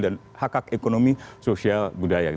dan hak hak ekonomi sosial budaya